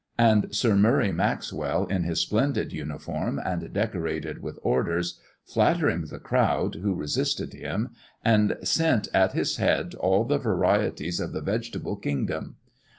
and Sir Murray Maxwell, in his splendid uniform, and decorated with orders, flattering the crowd who resisted him, and sent at his head all the varieties of the vegetable kingdom.